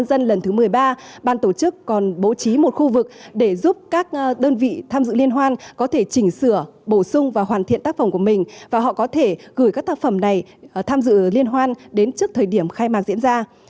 trong lần thứ một mươi ba ban tổ chức còn bố trí một khu vực để giúp các đơn vị tham dự liên hoan có thể chỉnh sửa bổ sung và hoàn thiện tác phẩm của mình và họ có thể gửi các tác phẩm này tham dự liên hoan đến trước thời điểm khai mạc diễn ra